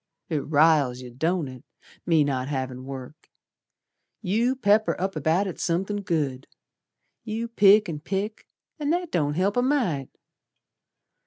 "It riles yer, don't it, me not havin' work. You pepper up about it somethin' good. You pick an' pick, and that don't help a mite.